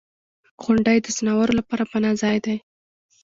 • غونډۍ د ځناورو لپاره پناه ځای دی.